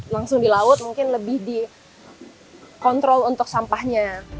langsung di laut mungkin lebih dikontrol untuk sampahnya